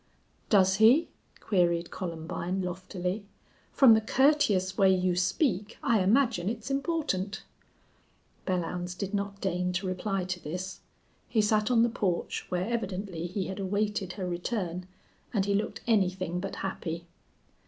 "Does he?" queried Columbine, loftily. "From the courteous way you speak I imagine it's important." Belllounds did not deign to reply to this. He sat on the porch, where evidently he had awaited her return, and he looked anything but happy.